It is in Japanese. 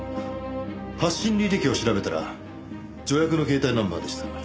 発信履歴を調べたら助役の携帯ナンバーでした。